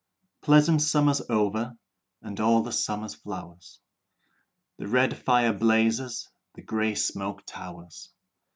Pleasant summer over And all the summer flowers, The red fire blazes, The grey smoke towers.